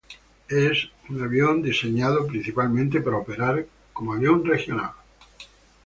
Es un avión diseñado principalmente para operar como avión regional.